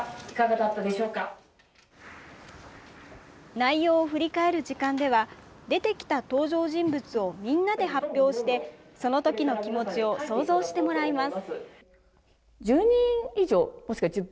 内容を振り返る時間では出てきた登場人物をみんなで発表してそのときの気持ちを想像してもらいます。